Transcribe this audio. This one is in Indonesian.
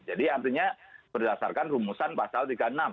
jadi artinya berdasarkan rumusan pasal tiga puluh enam